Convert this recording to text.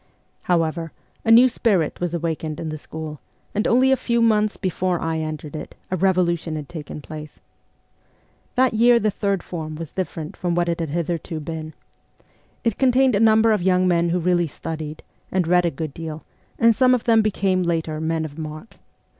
However, a new spirit was awakened in the school, and only a few months before I entered it a revolution had taken place. That year the third form was differ ent from what it had hitherto been. It contained a number of young men who really studied, and read a good deal ; some of them became, later, men of mark.